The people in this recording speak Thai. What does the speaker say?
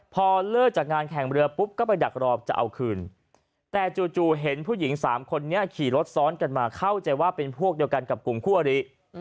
พอเลิกจากงานแข่งเรือปุ๊บก็ไปดักรอจะเอาคืนแต่จู่เห็นผู้หญิงสามคนนี้ขี่รถซ้อนกันมาเข้าใจว่าเป็นพวกเดียวกันกับกลุ่มคู่อริ